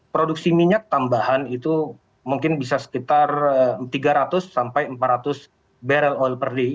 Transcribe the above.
produksi minyak tambahan itu mungkin bisa sekitar tiga ratus sampai empat ratus barrel oil per day